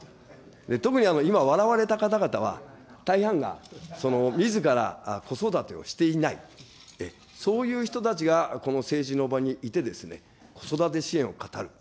特に今、笑われた方々は、大半がみずから子育てをしていない、そういう人たちが、この政治の場にいて、子育て支援を語る。